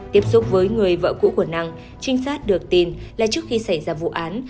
tiếp xúc với người vợ cũ của năng trinh sát được tin là trước khi xảy ra vụ án